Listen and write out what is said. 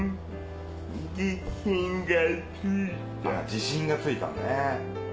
自信がついたね。